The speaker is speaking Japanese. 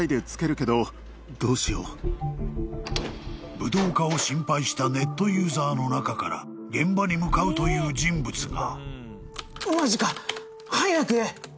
［武道家を心配したネットユーザーの中から現場に向かうという人物が］